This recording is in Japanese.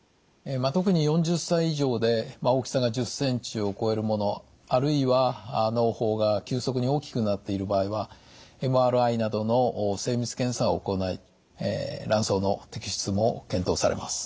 特に４０歳以上で大きさが１０ｃｍを超えるものあるいはのう胞が急速に大きくなっている場合はＭＲＩなどの精密検査を行い卵巣の摘出も検討されます。